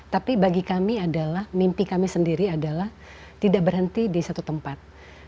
tapi bagi kami adalah mimpi kami sendiri adalah tidak berhenti di satu tempat